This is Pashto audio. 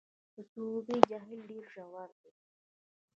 د سروبي جهیل ډیر ژور دی